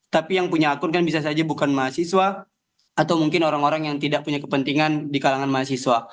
tapi yang punya akun kan bisa saja bukan mahasiswa atau mungkin orang orang yang tidak punya kepentingan di kalangan mahasiswa